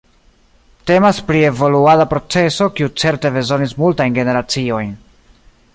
Temas pri evoluada procezo, kiu certe bezonis multajn generaciojn.